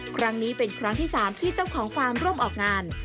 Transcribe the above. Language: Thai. ครั้งนี้เป็นครั้งที่๓ที่เจ้าของฟาร์มร่วมออกงาน